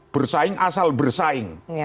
bersaing asal bersaing